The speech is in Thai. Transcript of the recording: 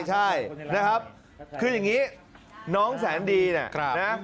ใช่นะครับคืออย่างนี้น้องแสนดีเนี่ยนะ